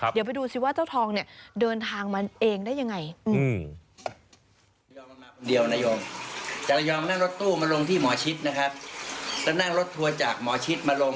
เดี๋ยวไปดูสิว่าเจ้าทองเนี่ยเดินทางมาเองได้ยังไง